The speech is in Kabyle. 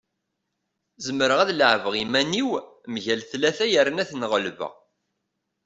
Zemreɣ ad leɛbeɣ iman-iw mgal tlata yerna ad ten-ɣelbeɣ.